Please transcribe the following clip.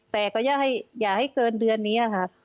แต่ก็อย่าให้เกินเดือนนี้ค่ะ